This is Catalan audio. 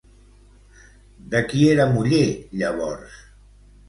De qui era muller llavors?